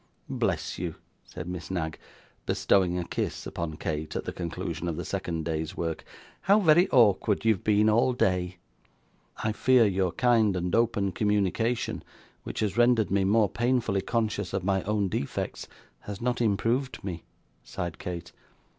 'Bless you!' said Miss Knag, bestowing a kiss upon Kate at the conclusion of the second day's work, 'how very awkward you have been all day.' 'I fear your kind and open communication, which has rendered me more painfully conscious of my own defects, has not improved me,' sighed Kate.